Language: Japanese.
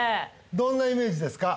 どんなイメージですか？